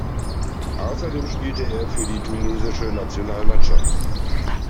Außerdem spielte er für die tunesische Nationalmannschaft.